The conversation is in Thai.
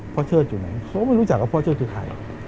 เชิดอยู่ไหนเขาก็ไม่รู้จักว่าพ่อเชิดคือใคร